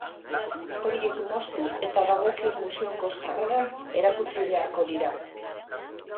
Horiek moztu eta dagokion museoko sarreran erakutsi beharko dira.